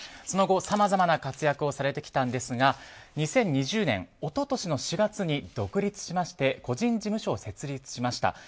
その後、さまざまな活躍をされてきたんですが２０２０年一昨年の４月に独立しまして個人事務所を設立しました。